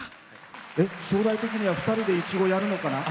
将来的には２人でいちごやるのかな？